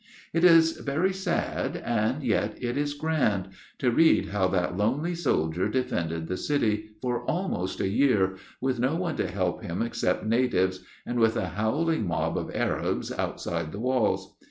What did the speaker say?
It is very sad, and yet it is grand, to read how that lonely soldier defended the city, for almost a year, with no one to help him except natives, and with a howling mob of Arabs outside the walls.